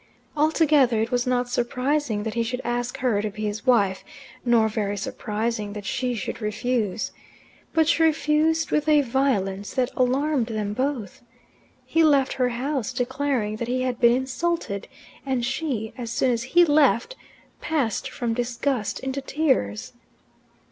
Altogether it was not surprising that he should ask her to be his wife, nor very surprising that she should refuse. But she refused with a violence that alarmed them both. He left her house declaring that he had been insulted, and she, as soon as he left, passed from disgust into tears.